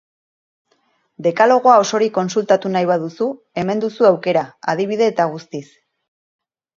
Dekalogoa osorik kontsultatu nahi baduzu, hemen duzu aukera, adibide eta guztiz.